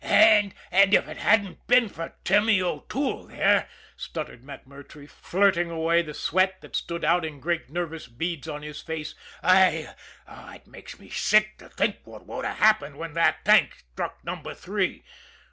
"And and if it hadn't been for Timmy O'Toole there," stuttered MacMurtrey, flirting away the sweat that stood out in great nervous beads on his face, "I it makes me sick to think what would have happened when the tank struck Number Three.